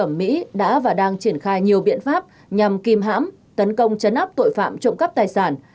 công an huyện cẩm mỹ đã và đang triển khai nhiều biện pháp nhằm kim hãm tấn công chấn áp tội phạm trộm cắp tài sản